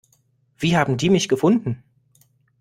Wie haben die mich gefunden?